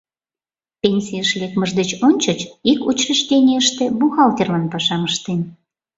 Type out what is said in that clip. Пенсийыш лекмыж деч ончыч ик учрежденийыште бухгалтерлан пашам ыштен.